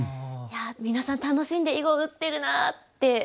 いや皆さん楽しんで囲碁打ってるなって